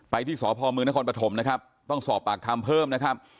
ไปที่ศอพอมมนครประถมต้องสอบปากคำเพิ่มนะครับ